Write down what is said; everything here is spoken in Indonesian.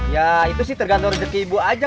ya itu sih tergantung rezeki ibu aja